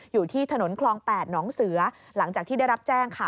อยู่ที่ถนนคลอง๘น้องเสือหลังจากที่ได้รับแจ้งค่ะ